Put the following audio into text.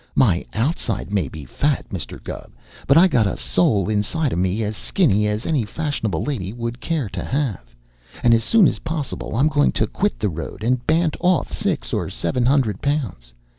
My outside may be fat, Mr. Gubb, but I got a soul inside of me as skinny as any fash'nable lady would care to have, and as soon as possible I'm goin' to quit the road and bant off six or seven hundred pounds.